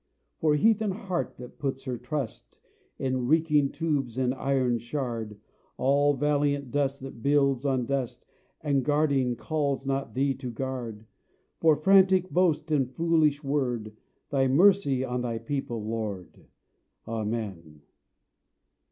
For heathen heart that puts her trust In reeking tube and iron shard, All valiant dust that builds on dust, And guarding, calls not Thee to guard, For frantic boast and foolish word Thy mercy on Thy People, Lord! Amen.